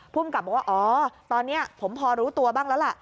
ภูมิกับบอกว่าอ๋อตอนนี้ผมพอรู้ตัวบ้างแล้วล่ะ